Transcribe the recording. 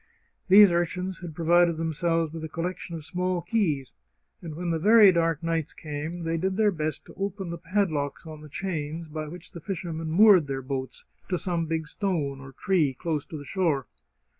These urchins had provided them selves with a collection of small keys, and when the very dark nights came, they did their best to open the padlocks on the chains by which the fishermen moored their boats to some big stone or tree close to the shore.